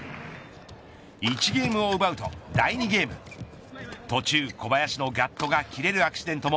１ゲームを奪うと第２ゲーム途中、小林のガットが切れるアクシデントも。